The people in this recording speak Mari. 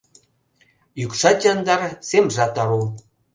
Йӱкшат яндар, семжат ару.